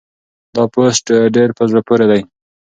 دا پوسټ ډېر په زړه پورې دی.